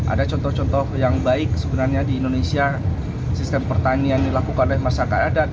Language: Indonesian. ada contoh contoh yang baik sebenarnya di indonesia sistem pertanian dilakukan oleh masyarakat adat